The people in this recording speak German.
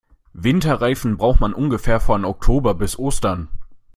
Winterreifen braucht man ungefähr von Oktober bis Ostern.